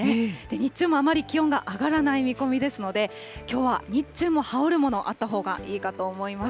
日中もあまり気温が上がらない見込みですので、きょうは日中も羽織るものあったほうがいいかと思います。